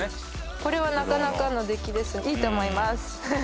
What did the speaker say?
これはなかなかの出来ですいいと思います